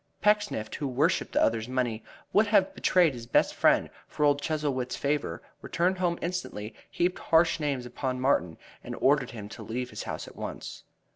Pecksniff, who worshiped the other's money and would have betrayed his best friend for old Chuzzlewit's favor, returned home instantly, heaped harsh names upon Martin and ordered him to leave his house at once.